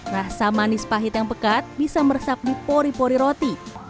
rasa manis pahit yang pekat bisa meresap di pori pori roti